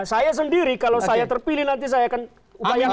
saya sendiri kalau saya terpilih nanti saya akan bayangkan